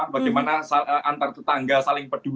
bagaimana antar tetangga saling peduli